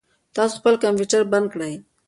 تاسو خپل کمپیوټر بند کړئ.